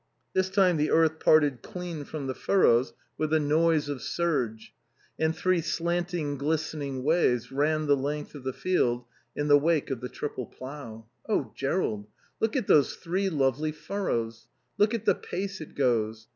This time the earth parted clean from the furrows with the noise of surge, and three slanting, glistening waves ran the length of the field in the wake of the triple plough. "Oh, Jerrold, look at those three lovely furrows. Look at the pace it goes.